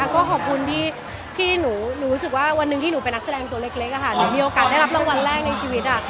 ก็ขอบคุณที่หนูรู้สึกว่าวันหนึ่งที่หนูเป็นนักแสดงตัวเล็กหนูมีโอกาสได้รับรางวัลแรกในชีวิต